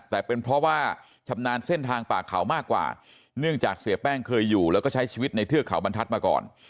แต่เป็นเพราะว่าชำนาญเส้นทางป่าเขามากกว่าเนื่องจากเสียแป้งเคยอยู่แล้วก็ใช้ชีวิตในเทือกเขาบรรทัศน์มาก่อน